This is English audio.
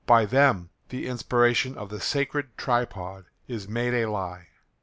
By them the inspiration of the Sacred Tripod is made a lie."